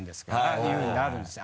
ていうふうになるんですね。